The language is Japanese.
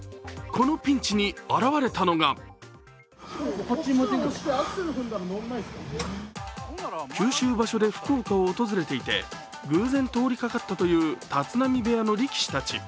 このピンチに現れたのが九州場所で福岡を訪れていて偶然通りかかったという立浪部屋の力士たち。